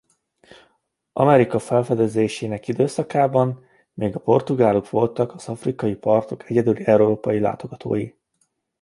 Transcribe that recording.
Amerika felfedezésének időszakában még a portugálok voltak az afrikai partok egyedüli európai látogatói.